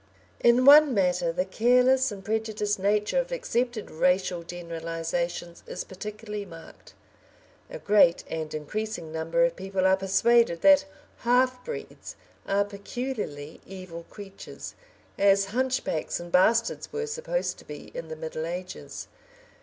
In one matter the careless and prejudiced nature of accepted racial generalisations is particularly marked. A great and increasing number of people are persuaded that "half breeds" are peculiarly evil creatures as hunchbacks and bastards were supposed to be in the middle ages.